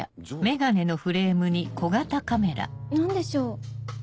何でしょう？